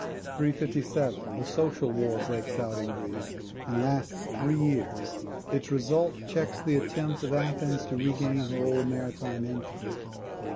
357. The Social War breaks out in Greece, and lasts three years. Its result checks the attempt of Athens to regain her old maritime empire.